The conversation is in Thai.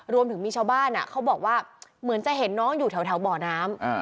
รวมถึงมีชาวบ้านเขาบอกว่าเหมือนจะเห็นน้องอยู่แถวบ่อน้ำ